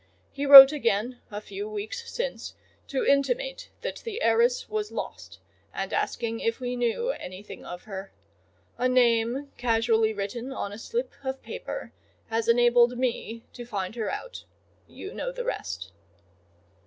He wrote again a few weeks since, to intimate that the heiress was lost, and asking if we knew anything of her. A name casually written on a slip of paper has enabled me to find her out. You know the rest."